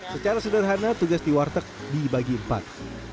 secara sederhana tugas di warteg dibagi empat